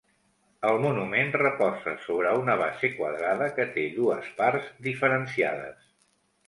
El monument reposa sobre una base quadrada que té dues parts diferenciades.